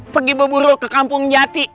pergi berburu ke kampung jati